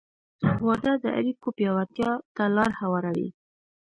• واده د اړیکو پیاوړتیا ته لار هواروي.